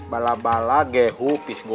bala bala gehu pisgur